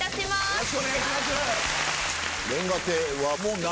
よろしくお願いします！